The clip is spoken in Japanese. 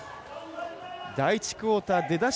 第１クオーター、出だし